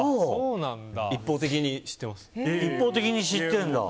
一方的に知ってます。